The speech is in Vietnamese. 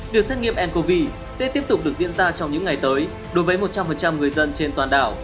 việc xét nghiệm ncov sẽ tiếp tục được diễn ra trong những ngày tới đối với một trăm linh người dân trên toàn đảo